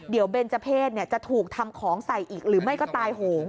เดี๋ยวเบนเจอร์เพศจะถูกทำของใส่อีกหรือไม่ก็ตายโหง